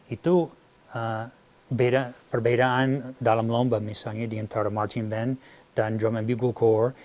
itu perbedaan dalam lomba misalnya diantara marching band dan drum and bugle corps